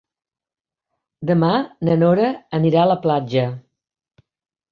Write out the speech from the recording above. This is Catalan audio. Demà na Nora anirà a la platja.